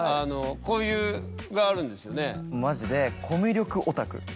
マジで。